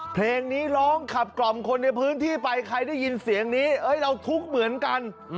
เพลงนี้ร้องขับกล่อมคนในพื้นที่ไปใครได้ยินเสียงนี้เราทุกข์เหมือนกัน